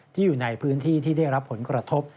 อยู่ในพื้นที่ที่ได้รับผลกระทบ